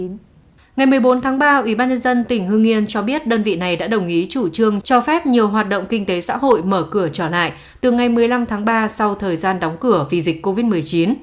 ngày một mươi bốn tháng ba ubnd tỉnh hương yên cho biết đơn vị này đã đồng ý chủ trương cho phép nhiều hoạt động kinh tế xã hội mở cửa trở lại từ ngày một mươi năm tháng ba sau thời gian đóng cửa vì dịch covid một mươi chín